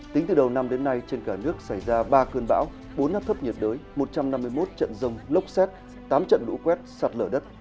tính từ đầu năm đến nay trên cả nước xảy ra ba cơn bão bốn hấp thấp nhiệt đới một trăm năm mươi một trận rồng lốc xét tám trận lũ quét sạt lở đất